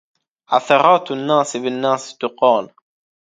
عثرات الناس بالناس تقال